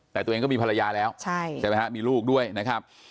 แต่ตัวเองก็มีภรรยาแล้วใช่ไหมฮะมีลูกด้วยนะครับ